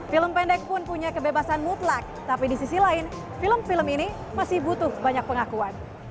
film pendek pun punya kebebasan mutlak tapi di sisi lain film film ini masih butuh banyak pengakuan